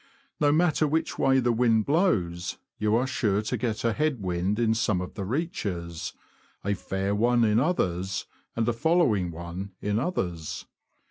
No matter which way the wind blows, you are sure to get a head wind in some of the reaches, a fair one in others, and a following one in others.